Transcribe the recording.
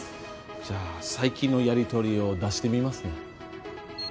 じゃあ最近のやり取りを出してみますね。